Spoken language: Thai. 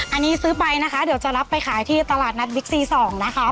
อันนี้ซื้อไปนะคะเดี๋ยวจะรับไปขายที่ตลาดนัดบิ๊กซี๒นะคะ